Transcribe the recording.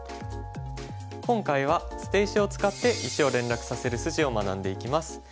今回は捨て石を使って石を連絡させる筋を学んでいきます。